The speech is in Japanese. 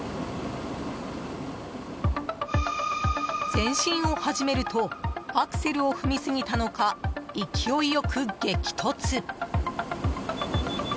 前進を始めるとアクセルを踏み過ぎたのか勢いよく激突！